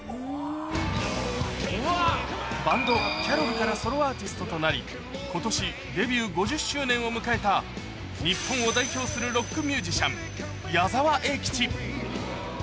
バンド、キャロルからソロアーティストとなり、ことしデビュー５０周年を迎えた日本を代表するロックミュージシャン、矢沢永吉。